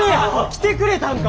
来てくれたんか。